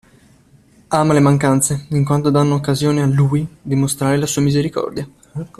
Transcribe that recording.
Ama le mancanze in quanto danno occasione a Lui di mostrare la sua misericordia.